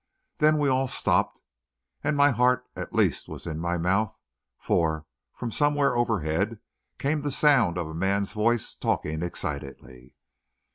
Then we all stopped, and my heart, at least, was in my mouth, for, from somewhere overhead, came the sound of a man's voice talking excitedly.